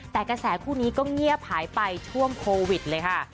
แต่กระแสคู่นี้ก็เงียบหายไปช่วงโควิดเลยค่ะ